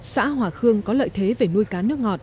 xã hòa khương có lợi thế về nuôi cá nước ngọt